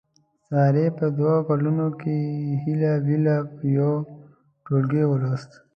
سارې په دوه کالونو کې هیله بیله یو ټولګی ولوست.